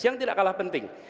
yang tidak kalah penting